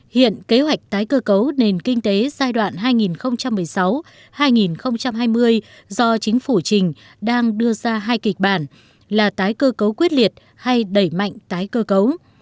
hiện kế hoạch tái cơ cấu nền kinh tế giai đoạn hai nghìn một mươi sáu hai nghìn hai mươi do chính phủ trình đang đưa ra hai kịch bản là tái cơ cấu quyết liệt hay đẩy mạnh tái cơ cấu